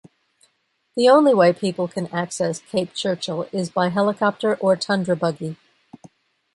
The only way people can access Cape Churchill is by helicopter or Tundra Buggy.